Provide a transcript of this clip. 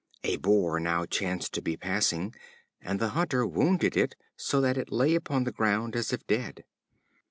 A Boar now chanced to be passing, and the Hunter wounded it so that it lay upon the ground as if dead.